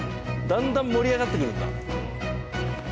だんだん盛り上がってくるんだ。